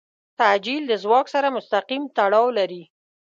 تعجیل د ځواک سره مستقیم تړاو لري.